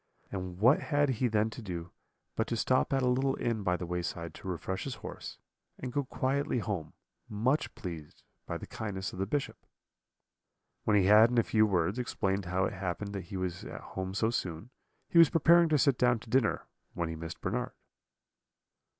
And what had he then to do but to stop at a little inn by the wayside to refresh his horse, and go quietly home, much pleased by the kindness of the Bishop? "When he had, in a few words, explained how it happened that he was at home so soon, he was preparing to sit down to dinner, when he missed Bernard.